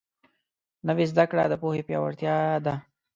نوې زده کړه د پوهې پیاوړتیا ده